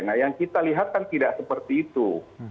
nah yang kita lihat kan tidak seperti itu